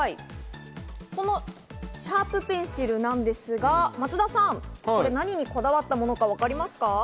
このシャープペンシルなんですが、松田さん、何にこだわったものかわかりますか？